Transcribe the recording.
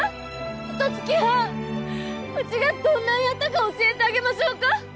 ひと月半うちがどんなんやったか教えてあげましょうか？